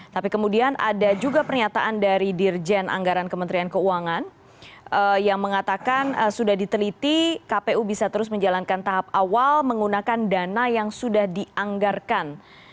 tapi kemudian ada juga pernyataan dari dirjen anggaran kementerian keuangan yang mengatakan sudah diteliti kpu bisa terus menjalankan tahap awal menggunakan dana yang sudah dianggarkan